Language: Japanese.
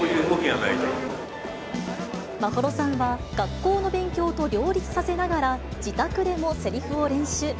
眞秀さんは、学校の勉強と両立させながら、自宅でもせりふを練習。